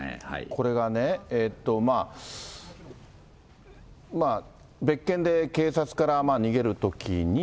これがね、別件で警察から逃げるときに。